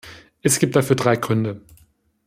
Es gibt dafür drei Gründe.